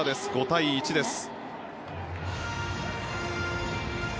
５対１です。